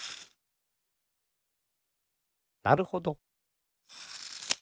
なるほど。